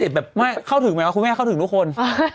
หมายความว่าคุณแม่เข้าถึงทุกคน